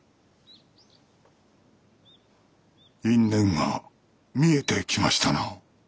因縁が見えてきましたな。